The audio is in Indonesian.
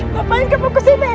bapak ingin kemukus ini